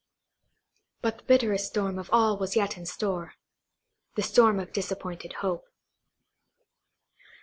But the bitterest storm of all was yet in store,–the storm of disappointed hope.